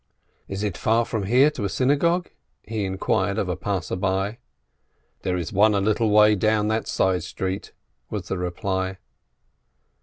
"Is it far from here to a Klaus?" he inquired of a passer by. "There is one a little way down that side street," was the reply.